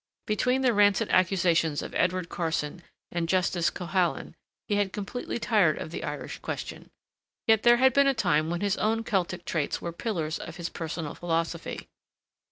Between the rancid accusations of Edward Carson and Justice Cohalan he had completely tired of the Irish question; yet there had been a time when his own Celtic traits were pillars of his personal philosophy.